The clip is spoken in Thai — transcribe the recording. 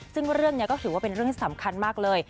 ซึ่งเรื่องนี้ก็ถือว่าเป็นเรื่องที่สำคัญมากเลย